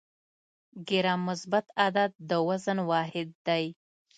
ګرام مثبت عدد د وزن واحد دی.